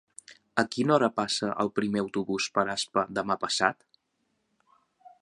A quina hora passa el primer autobús per Aspa demà passat?